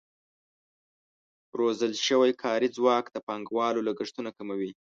روزل شوی کاري ځواک د پانګوالو لګښتونه کموي.